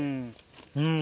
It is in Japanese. うん。